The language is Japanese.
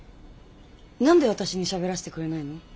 何で私にしゃべらせてくれないの？